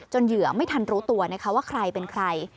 เหยื่อไม่ทันรู้ตัวนะคะว่าใครเป็นใคร